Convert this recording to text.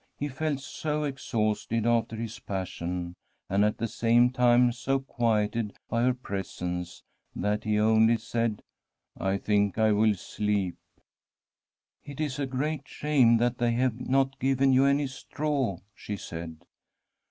He felt so exhausted after his passion, and at the same time so quieted by her presence, that he only said :* I think I will sleep.' ' It is a great shame that they have not given you any straw,' she said.